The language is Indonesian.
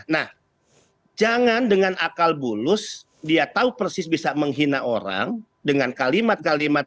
nah jangan dengan akal bulus dia tahu persis bisa menghina orang dengan kalimat kalimat